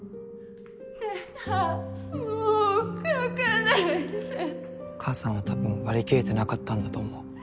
えなもう描かないで母さんは多分割り切れてなかったんだと思う。